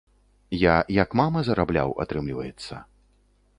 Я як мама зарабляў, атрымліваецца.